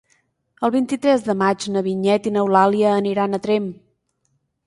El vint-i-tres de maig na Vinyet i n'Eulàlia aniran a Tremp.